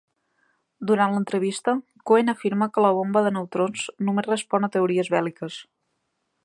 Durant l'entrevista, Cohen afirma que la bomba de neutrons només respon a teories bèl·liques.